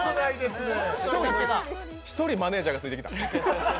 １人、マネージャーがついてきた。